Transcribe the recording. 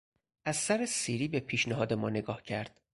از سرسیری به پیشنهاد ما نگاه کرد.